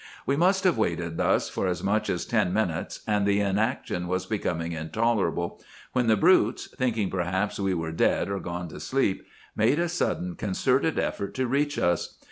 "We must have waited thus for as much as ten minutes, and the inaction was becoming intolerable, when the brutes, thinking perhaps we were dead or gone to sleep, made a sudden concerted effort to reach us.